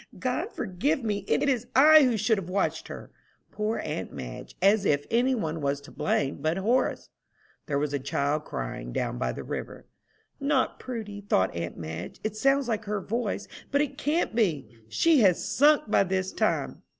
God forgive me! It is I who should have watched her!" Poor aunt Madge! as if any one was to blame but Horace. There was a child crying down by the river. "Not Prudy," thought aunt Madge. "It sounds like her voice, but it can't be. She has sunk by this time!"